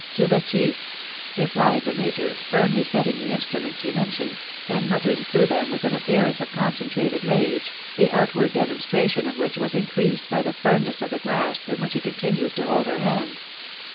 to the teeth!" replied the major, firmly setting the instruments he mentioned, and mut tering through them with an appearance of concentrated rage, the outward demonstration of which was increased by the firm ness of the grasp in which he continued to hold her hand.